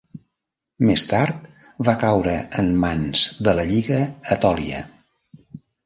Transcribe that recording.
Més tard va caure en mans de la Lliga Etòlia.